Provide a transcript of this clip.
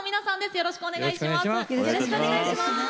よろしくお願いします。